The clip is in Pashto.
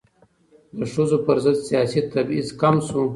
د ښځو پر ضد سیاسي تبعیض کم شو.